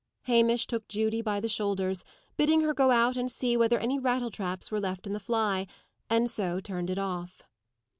Hamish took Judy by the shoulders, bidding her go out and see whether any rattletraps were left in the fly, and so turned it off.